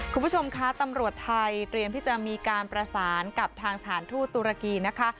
คุณผู้ชมคะตำรวจไทยเตรียมที่จะมีการประสานกับทางสถานทูตตุรกีนะคะ